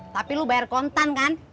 tapi lu bayar kontan kan